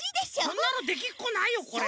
こんなのできっこないよこれ。